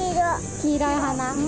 黄色いお花？